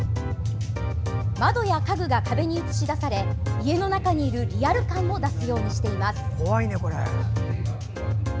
窓や家具が壁に映し出され家の中にいるリアル感を出すようにしています。